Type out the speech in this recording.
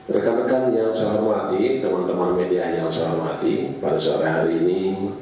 rekan rekan yang saya hormati teman teman media yang saya hormati pada sore hari ini